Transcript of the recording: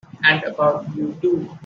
And about you too!